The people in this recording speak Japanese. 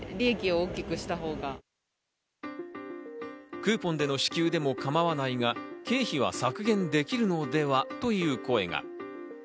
クーポンでの支給でも構わないが、経費は削減できるのでは？という声が。